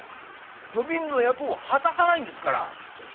土瓶の役を果たさないんですから」。